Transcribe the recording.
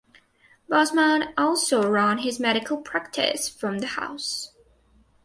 Bosman also ran his medical practice from the house.